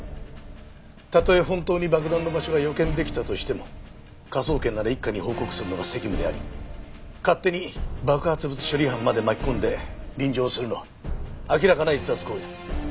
たとえ本当に爆弾の場所が予見出来たとしても科捜研なら一課に報告するのが責務であり勝手に爆発物処理班まで巻き込んで臨場するのは明らかな逸脱行為だ。